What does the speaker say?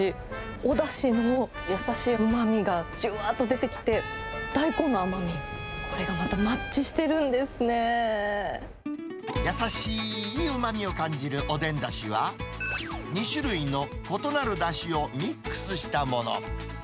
おだしの優しいうまみがじゅわーっと出てきて、大根の甘み、優しいうまみを感じるおでんだしは、２種類の異なるだしをミックスしたもの。